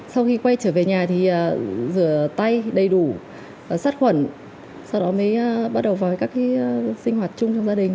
sau khi quay trở về nhà thì rửa tay đầy đủ sát khuẩn sau đó mới bắt đầu vào các sinh hoạt chung trong gia đình